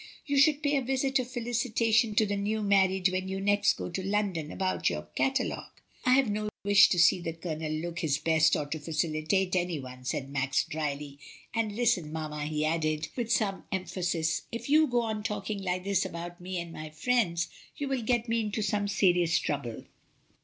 You should pay a visit of felicitation to the new married when you next go to London about your catalogue." "I have no wish to see the Colonel look his best or to felicitate any one," said Max, drily. "And, listen, mamma," he added, with some em A WEDDING PARTY. 1 45 phasis, "if you go on talking like this about me and my firiends, you will get me into some serious trouble."